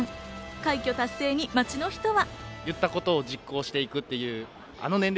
快挙達成に街の人は。